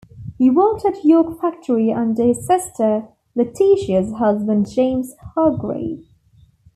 He worked at York Factory under his sister Letitia's husband James Hargrave.